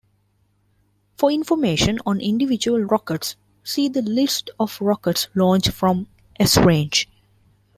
For information on individual rockets, see the List of rockets launched from Esrange.